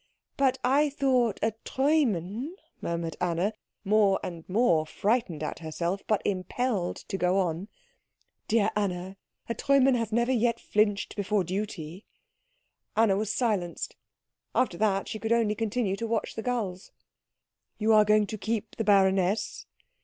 "But I thought a Treumann " murmured Anna, more and more frightened at herself, but impelled to go on. "Dear Anna, a Treumann has never yet flinched before duty." Anna was silenced. After that she could only continue to watch the gulls. "You are going to keep the baroness?"